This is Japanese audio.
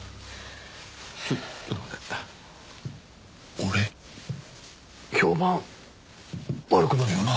俺評判悪くなるよな？